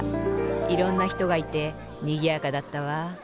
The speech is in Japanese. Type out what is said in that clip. いろんなひとがいてにぎやかだったわ。